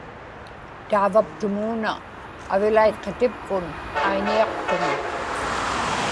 taavaptumuuna avilaitqatipkun aiñiaqtuŋa